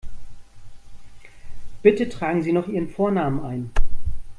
Bitte tragen Sie noch Ihren Vornamen ein.